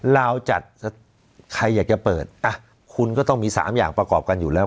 ลาวจัดใครอยากจะเปิดอ่ะคุณก็ต้องมี๓อย่างประกอบกันอยู่แล้ว